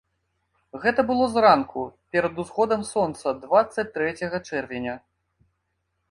Гэта было зранку, перад усходам сонца дваццаць трэцяга чэрвеня.